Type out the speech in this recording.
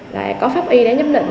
lại có pháp y để giám định